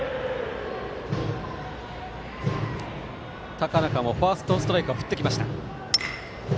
高中もファーストストライク振ってきました。